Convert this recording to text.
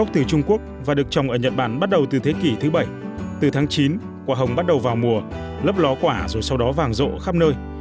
từ tháng chín quả hồng bắt đầu vào mùa lấp ló quả rồi sau đó vàng rộ khắp nơi